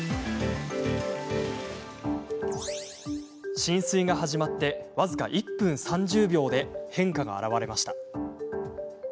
浸水が始まって僅か１分３０秒で変化が現れました。